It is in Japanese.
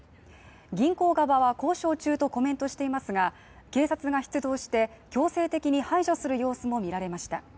銀行側は交渉中とコメントしていますが、警察が出動して強制的に排除する様子も見られました。